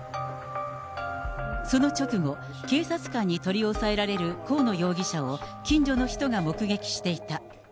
その直後、警察官に取り押さえられる河野容疑者を近所の人が目撃していた。